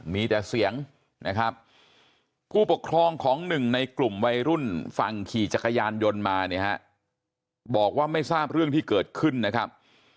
มีแต่เสียงนะครับผู้ปกครองของหนึ่งในกลุ่มวัยรุ่นฝั่งขี่จักรยานยนต์มาเนี่ยฮะบอกว่าไม่ทราบเรื่องที่เกิดขึ้นนะครับ